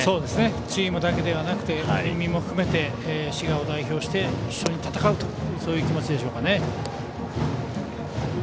チームだけではなくて県民も含めて滋賀を代表して一緒に戦うとそういう気持ちでしょうかね。